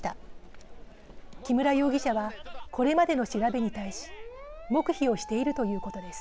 木村容疑者はこれまでの調べに対し黙秘をしているということです。